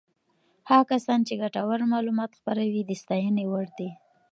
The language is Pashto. هغه کسان چې ګټور معلومات خپروي د ستاینې وړ دي.